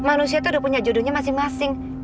manusia itu udah punya jodohnya masing masing